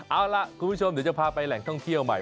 เอาล่ะคุณผู้ชมเดี๋ยวจะพาไปแหล่งท่องเที่ยวใหม่